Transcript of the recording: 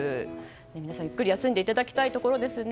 皆さん、ゆっくり休んでいただきたいところですね。